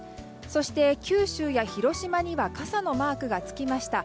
そして九州や広島には傘のマークがつきました。